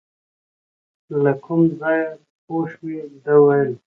له کوم ځایه پوه شوې، ده ویل .